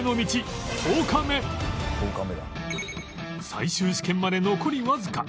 最終試験まで残りわずか